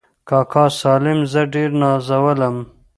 کاکا سالم زه ډېر نازولم.